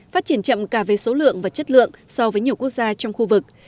phát triển chậm cả về số lượng và chất lượng so với nhiều quốc gia trong khu vực